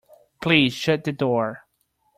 Please shut the door.